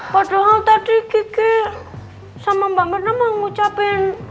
padahal tadi kiki sama mbak pernah mengucapin